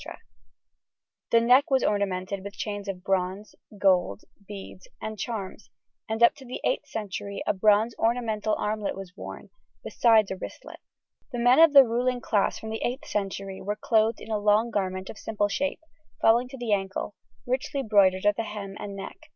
The neck was ornamented with chains of bronze, gold, beads, and charms, and up to the 8th century a bronze ornamental armlet was worn, besides a wristlet. The men of the ruling class from the 8th century were clothed in a long garment of simple shape, falling to the ankle, richly bordered at the hem and neck.